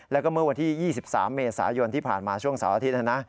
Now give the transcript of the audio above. แล้วก็เมื่อวันที่๒๓เมษายนที่ผ่านมาช่วงเสาร์อาทิตย์นะนะ